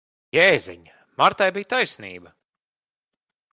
Jēziņ! Martai bija taisnība.